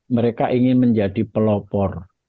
mereka ingin menjadi pelopor